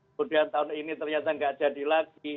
kemudian tahun ini ternyata nggak jadi lagi